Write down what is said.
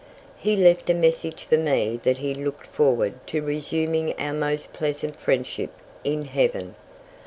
He left a message for me that he looked forward to resuming our most pleasant friendship in Heaven.